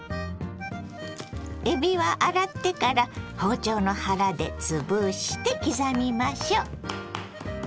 えびは洗ってから包丁の腹で潰して刻みましょ。